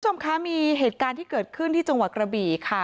คุณผู้ชมคะมีเหตุการณ์ที่เกิดขึ้นที่จังหวัดกระบี่ค่ะ